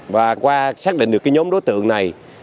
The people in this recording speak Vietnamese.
và qua xác định được nhóm đối tượng này